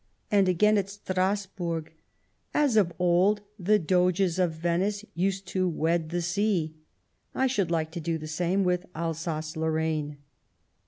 And again at Strasburg : "As of old the Doges of Venice used to wed the sea, I should like to do the same with Alsace Lorraine."